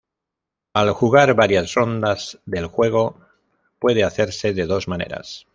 Al jugar varias rondas del juego, puede hacerse de dos maneras.